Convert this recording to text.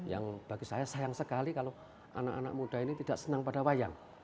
yang bagi saya sayang sekali kalau anak anak muda ini tidak senang pada wayang